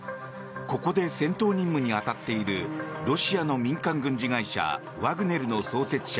ここで戦闘任務に当たっているロシアの民間軍事会社ワグネルの創設者